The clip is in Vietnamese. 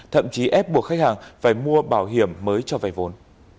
thậm chí ép buộc khách hàng phải mua bảo hiểm mới cho vay vốn